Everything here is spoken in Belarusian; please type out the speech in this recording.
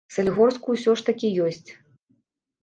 Салігорску ўсё ж такі ёсць.